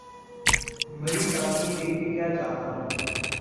مری سادگی دیکھ کیا چاہتا ہوں